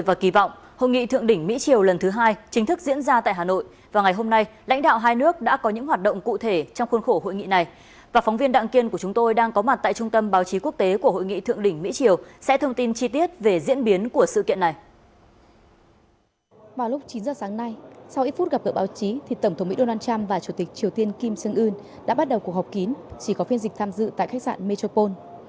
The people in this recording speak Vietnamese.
vào lúc chín giờ sáng nay sau ít phút gặp gỡ báo chí thì tổng thống mỹ donald trump và chủ tịch triều tiên kim sương ưn đã bắt đầu cuộc họp kín chỉ có phiên dịch tham dự tại khách sạn metropole